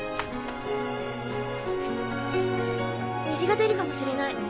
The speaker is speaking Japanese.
虹が出るかもしれない。